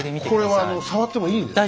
これは触ってもいいんですね？